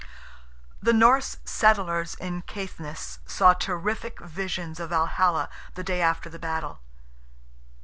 The Norse settlers in Caithness saw terrific visions of Valhalla "the day after the battle."